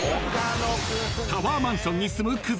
［タワーマンションに住むクズ